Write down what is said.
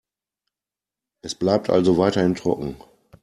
Es bleibt also weiterhin trocken.